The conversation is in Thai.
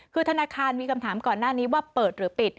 คือธนาคารมีคำถามก่อนหน้านี้ว่าเปิดหรือปิด